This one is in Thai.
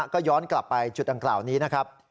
ก็ย้อนกลับไปจุดดังกล่าวนี้นะครับ